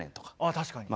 あ確かに。